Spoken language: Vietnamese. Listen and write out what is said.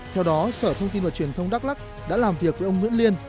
theo đó sở thông tin và truyền thông đắk lắc đã làm việc với ông nguyễn liên